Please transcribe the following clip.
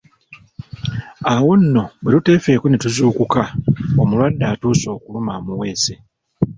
Awo nno bwe tutefeeko ne tuzuukuka omulwadde atuuse okuluma amuweese!